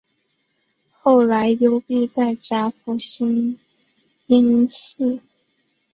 后来幽闭在甲府兴因寺。